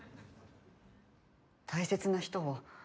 大切な人を。